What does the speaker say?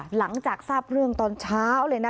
หลังจากทราบเรื่องตอนเช้าเลยนะ